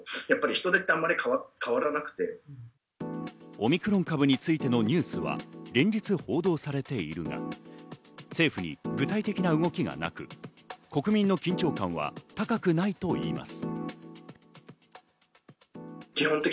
オミクロン株についてのニュースは連日報道されているが、政府に具体的な動きがなく、国民の緊張感は高くないといいます。